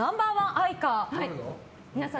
アイカー皆さん